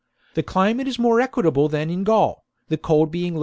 ^ The climate is more equable than in Gaul, the cold being less severe.